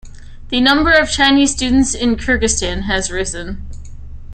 The number of Chinese students in Kyrgyzstan has risen.